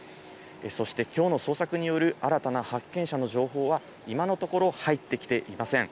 そしてきょうの捜索による新たな発見者の情報は、今のところ、入ってきていません。